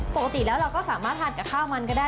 ปกติแล้วเราก็สามารถทานกับข้าวมันก็ได้